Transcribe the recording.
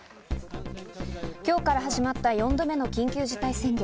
今日から始まった４度目の緊急事態宣言。